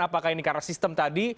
apakah ini karena sistem tadi